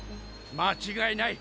間違いない。